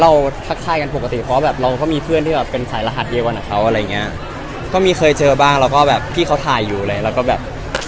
เรามีเรามีเจอกันบ้างครับแต่ว่าหลังจากที่เรียนจบไปแล้วก็ไม่ค่อยได้เจอแล้วครับ